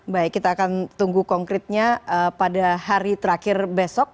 baik kita akan tunggu konkretnya pada hari terakhir besok